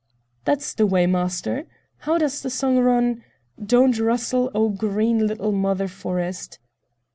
"That's the way, master! How does the song run? 'Don't rustle, O green little mother forest....